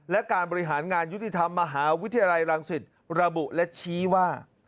และการบริหารงานยุติธรรมมหาวิทยาลัยรังสิตระบุและชี้ว่า